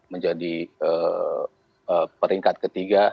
menjadi peringkat ketiga